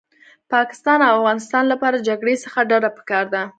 پاکستان او افغانستان لپاره جګړې څخه ډډه پکار ده